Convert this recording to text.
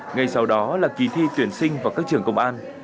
ngay sau đó là kỳ thi tuyển sinh vào các trường công an